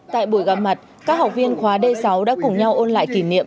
tại buổi gặp mặt các học viên khóa d sáu đã cùng nhau ôn lại kỷ niệm